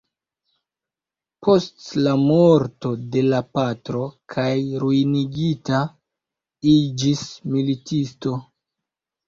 Post la morto de la patro kaj ruinigita, iĝis militisto.